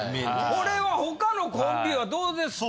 これは他のコンビはどうですか？